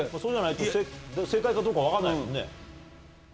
正解かどうか分かんないもんね。